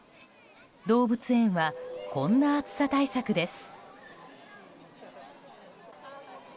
動物園はこんな暑さ対策です。